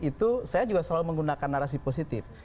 itu saya juga selalu menggunakan narasi positif